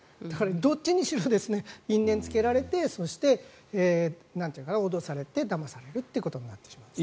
どっちにしろ因縁をつけられてそして、脅されてだまされたということになってしまいます。